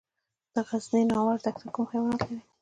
د غزني ناور دښته کوم حیوانات لري؟